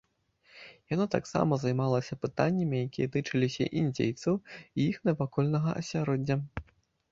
Яна таксама займалася пытаннямі якія тычыліся індзейцаў і іх навакольнага асяроддзя.